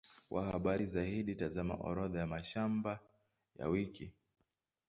Kwa habari zaidi, tazama Orodha ya mashamba ya wiki.